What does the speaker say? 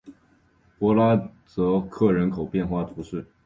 博拉泽克人口变化图示